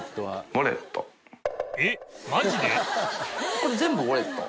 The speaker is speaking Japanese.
これ全部ウォレット？